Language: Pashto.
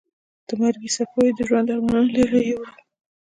د مرګي څپو یې د ژوند ارمانونه لرې یوړل.